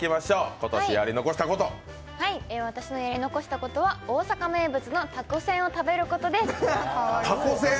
私のやり残したことは大阪名物のたこせんを食べることです。